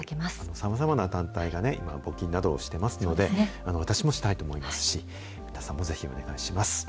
さまざまな団体が今、募金などをしてますので、私もしたいと思いますし、皆さんもぜひお願いします。